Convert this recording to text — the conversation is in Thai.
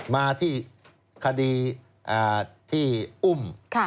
มาที่คดีที่อุ้ม